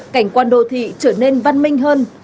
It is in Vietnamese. cảnh quan đồ thị trở nên văn minh hơn